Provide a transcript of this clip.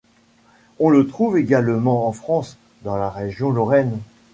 On le trouve également en France, dans la région Lorraine.